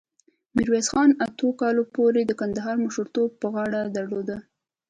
میرویس خان اتو کالو پورې د کندهار مشرتوب په غاړه درلود.